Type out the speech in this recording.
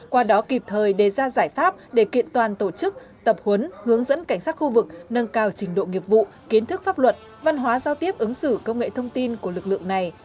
qua đó kịp thời đề ra giải pháp để kiện toàn tổ chức tập huấn hướng dẫn cảnh sát khu vực nâng cao trình độ nghiệp vụ kiến thức pháp luật văn hóa giao tiếp ứng xử công nghệ thông tin của lực lượng này